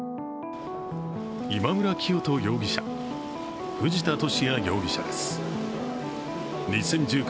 今村磨人容疑者、藤田聖也容疑者です。